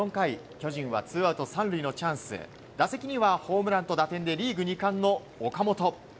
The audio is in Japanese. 巨人はツーアウト３塁のチャンス打席にはホームランと打点でリーグ２冠の岡本。